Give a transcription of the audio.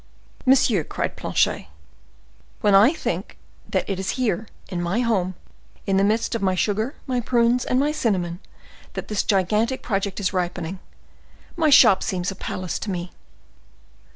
"Monsieur," cried Planchet, "when I think that it is here, in my home, in the midst of my sugar, my prunes, and my cinnamon, that this gigantic project is ripened, my shop seems a palace to me."